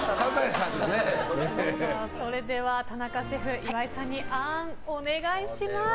それでは田中シェフ岩井さんにあーん、お願いします。